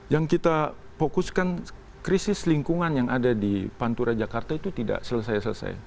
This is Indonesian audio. yang kita fokuskan krisis lingkungan yang ada di pantura jakarta itu tidak selesai selesai